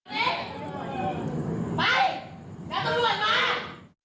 ไปไปทำอะไรเห็นอะไร